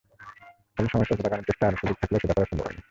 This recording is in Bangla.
ফলে সময়ের স্বল্পতার কারণে চেষ্টার আরও সুযোগ থাকলেও সেটা করা সম্ভব হয়নি।